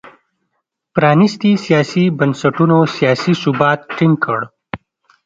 پرانیستو سیاسي بنسټونو سیاسي ثبات ټینګ کړ.